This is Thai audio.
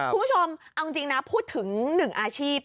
คุณผู้ชมเอาจริงนะพูดถึง๑อาชีพ